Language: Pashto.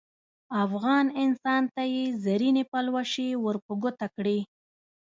افغان انسان ته یې زرینې پلوشې ور په ګوته کړې.